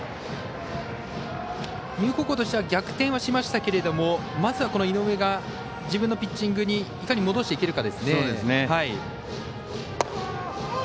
丹生高校としては逆転はしましたけどまずは井上が自分のピッチングにいかに戻していけるかですね。